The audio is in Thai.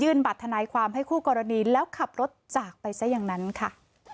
บัตรทนายความให้คู่กรณีแล้วขับรถจากไปซะอย่างนั้นค่ะ